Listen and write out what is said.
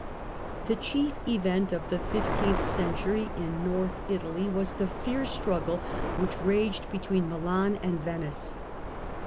The chief event of the fifteenth century in North ITALY, 1382 1453 193 Italy was the fierce struggle which raged between Milan and Venice.